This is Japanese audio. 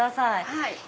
はい。